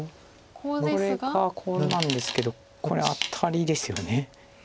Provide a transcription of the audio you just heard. これがコウなんですけどこれアタリですよね。